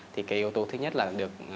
thì cái yếu tố thứ nhất là được